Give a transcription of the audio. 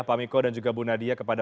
pak miko dan juga bu nadia kepada